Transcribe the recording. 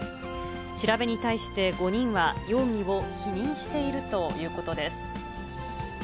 調べに対して、５人は容疑を否認しているということです。